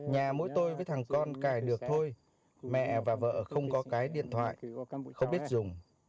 nhà mỗi tôi với thằng con cài được thôi mẹ và vợ không có cái điện thoại con không biết dùng